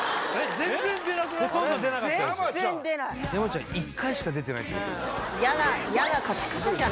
全然出ない山ちゃん１回しか出てないってことやな